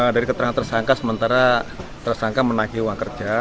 dari keterangan tersangka sementara tersangka menaiki uang kerja